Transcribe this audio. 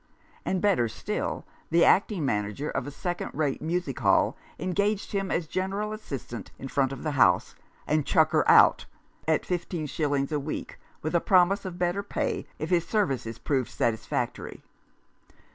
And, better still, the acting manager of a second rate music hall engaged him as general assistant in front of the house and "chucker out," at fifteen shillings a week, with a promise of better pay if his services proved satisfactory.